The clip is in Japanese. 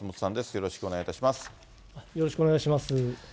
よろしくお願いします。